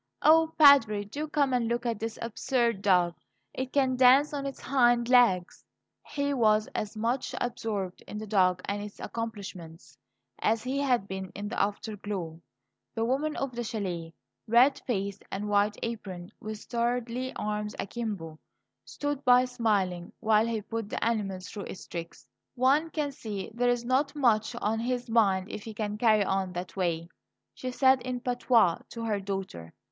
"Oh, Padre, do come and look at this absurd dog! It can dance on its hind legs." He was as much absorbed in the dog and its accomplishments as he had been in the after glow. The woman of the chalet, red faced and white aproned, with sturdy arms akimbo, stood by smiling, while he put the animal through its tricks. "One can see there's not much on his mind if he can carry on that way," she said in patois to her daughter.